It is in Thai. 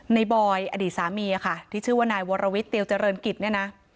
บอยอดีตสามีค่ะที่ชื่อว่านายวรวิทเตียวเจริญกิจเนี่ยนะ